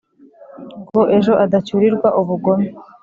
ngo ejo adacyurirwa ubugome